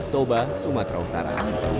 toba sumatera utara